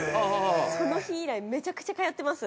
その日以来、めちゃくちゃ通ってます。